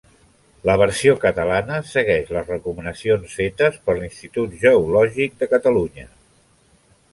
La versió catalana segueix les recomanacions fetes per l'Institut Geològic de Catalunya.